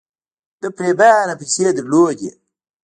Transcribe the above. ده پرېمانه پيسې درلودې.